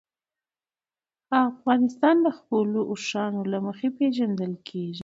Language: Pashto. افغانستان د خپلو اوښانو له مخې پېژندل کېږي.